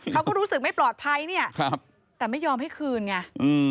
เขาก็รู้สึกไม่ปลอดภัยเนี่ยแต่ไม่ยอมให้คืนไง